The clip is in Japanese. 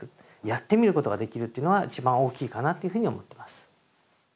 やってみることができるというのは一番大きいかなっていうふうに思ってます。